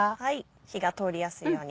火が通りやすいように。